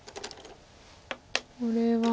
これは。